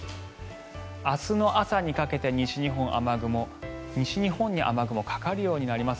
明日の朝にかけて西日本に雨雲がかかるようになります。